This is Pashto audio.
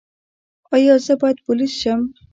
ایا زه باید پولیس شم؟